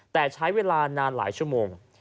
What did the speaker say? แต่ใช้เวลานานหลายชั่วโมง